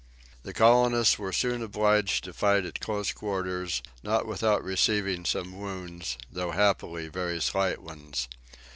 The colonists were soon obliged to fight at close quarters, not without receiving some wounds, though happily very slight ones.